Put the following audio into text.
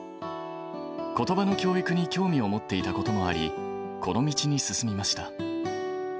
ことばの教育に興味を持っていたこともあり、この道に進みました。